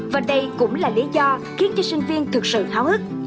và đây cũng là lý do khiến cho sinh viên thực sự háo hức